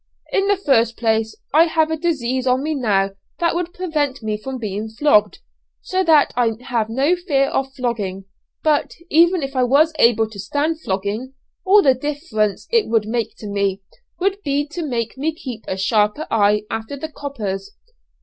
"In the first place, I have a disease on me now that would prevent me from being flogged, so that I have no fear of flogging. But, even if I was able to stand flogging, all the difference it would make to me, would be to make me keep a sharper eye after the 'coppers.'